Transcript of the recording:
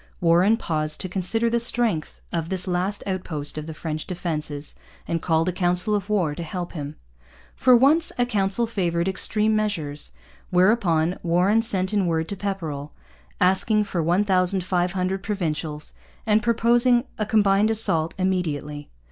Warren paused to consider the strength of this last outpost of the French defences and called a council of war to help him. For once a council favoured extreme measures; whereupon Warren sent in word to Pepperrell, asking for 1,500 Provincials, and proposing a combined assault immediately.